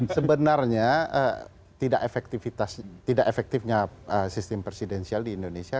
sebenarnya tidak efektifnya sistem presidensial di indonesia